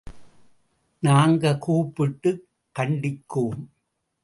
நாங்க கூப்பிட்டுக் கண்டிக்கோம்.